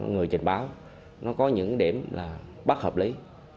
người trình báo nó có những điểm là bất hợp lý